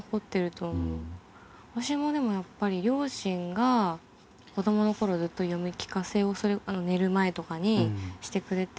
私もでもやっぱり両親が子どもの頃ずっと読み聞かせをする寝る前とかにしてくれて。